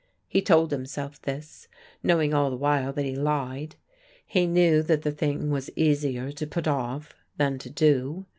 He told himself this, knowing all the while that he lied. He knew that the thing was easier to put off than to do.